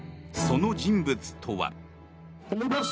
その人物とは。